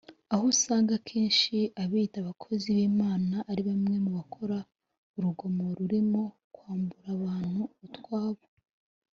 aho usanga akenshi abiyita abakozi b’Imana ari bamwe mu bakora urugomo rurimo kwambura abantu utwabo